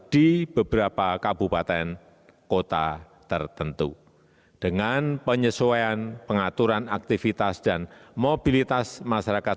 di beberapa kabupaten kota tertentu dengan penyesuaian pengaturan aktivitas dan mobilitas masyarakat